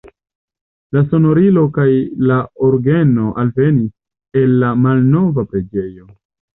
La sonorilo kaj la orgeno alvenis el la malnova preĝejo.